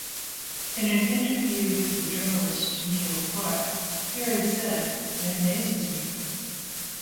In an interview with the journalist Neil Clark, Perry said: It amazes me.